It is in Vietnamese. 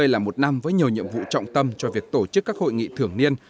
hai nghìn hai mươi là một năm với nhiều nhiệm vụ trọng tâm cho việc tổ chức các hội nghị thường niên